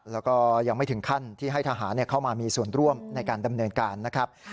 แล้วก็ยังไม่ถึงขั้นที่ให้ทหารเข้ามามีส่วนร่วมในการดำเนินการนะครับ